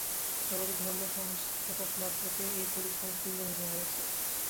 জগতের ধর্ম-সংস্থাপকমাত্রকেই এই পরীক্ষায় উত্তীর্ণ হতে হয়েছে।